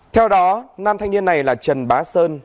theo đó nam thanh niên này là trần bá sơn